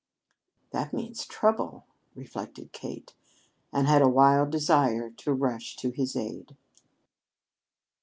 "That means trouble," reflected Kate, and had a wild desire to rush to his aid.